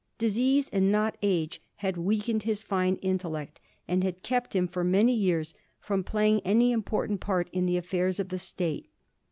Disease and not age had weakened his fine intellect, and had kept him for many years fi:x>m plajing any important part in the affjdrs of the State.